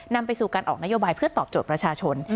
นำไปสู่การออกนโยบายเพื่อตอบโจทย์ประชาชน